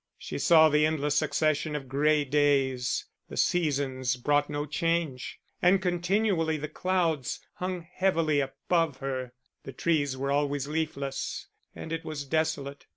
She saw the endless succession of grey days; the seasons brought no change, and continually the clouds hung heavily above her; the trees were always leafless, and it was desolate.